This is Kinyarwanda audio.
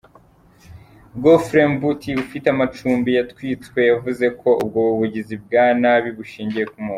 Goffrey Mbuthi ufite amacumbi yatwitswe yavuze ko ubwo bugizi bwa nabi bushingiye ku moko.